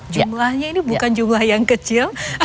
jumlahnya ini bukan jumlah yang kecil